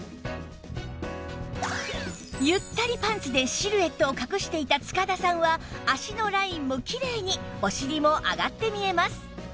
ゆったりパンツでシルエットを隠していた塚田さんは脚のラインもきれいにお尻も上がって見えます